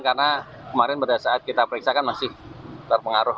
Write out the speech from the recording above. karena kemarin pada saat kita periksa kan masih terpengaruh